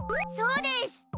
そうです！